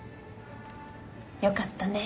よかったね。